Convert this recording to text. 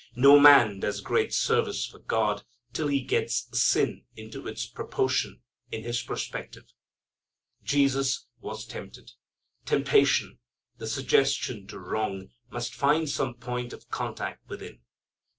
No man does great service for God till he gets sin into its proportion in his perspective. Jesus was tempted. Temptation, the suggestion to wrong, must find some point of contact within.